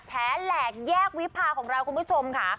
แฉแหลกแยกวิพาของเราคุณผู้ชมค่ะ